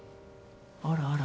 あらあら。